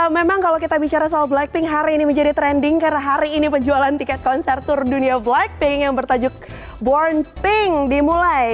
memang kalau kita bicara soal blackpink hari ini menjadi trending karena hari ini penjualan tiket konser tour dunia blackpink yang bertajuk born pink dimulai